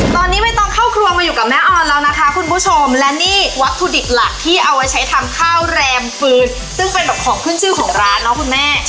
ตอนนี้ไม่ต้องเข้าครัวมาอยู่กับแม่ออนแล้วนะคะคุณผู้ชม